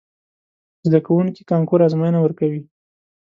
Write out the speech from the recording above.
زده کوونکي کانکور ازموینه ورکوي.